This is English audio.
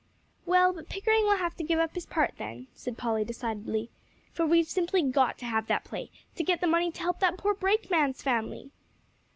"Well, but Pickering will have to give up his part, then," said Polly decidedly, "for we've simply got to have that play, to get the money to help that poor brakeman's family."